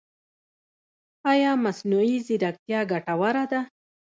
ایا مصنوعي ځیرکتیا ګټوره ده؟